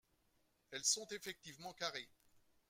Elles sont effectivement carrées.